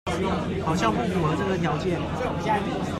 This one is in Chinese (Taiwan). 好像不符合這個條件